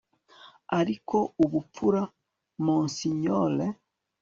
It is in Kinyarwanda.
ariko, ubupfura, monsignore